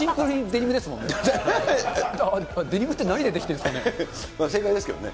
デニムって何で出来てるんですかね。